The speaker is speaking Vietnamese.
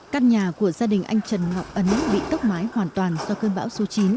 căn nhà của gia đình anh trần ngọc ấn bị tốc mái hoàn toàn do cơn bão số chín